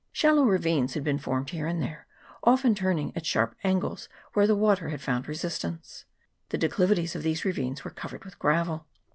Shallow ravines had been formed here and there, often turning at sharp angles where the water had found resistance ; the declivities of these ravines were covered with gravel.